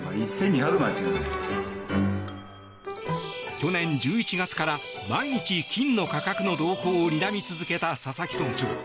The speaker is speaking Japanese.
去年１１月から毎日、金の価格の動向をにらみ続けた佐々木村長。